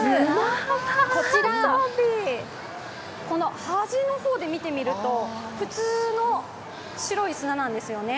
こちら、この端の方で見てみると普通の白い砂なんですよね。